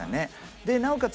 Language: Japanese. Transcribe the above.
でなおかつ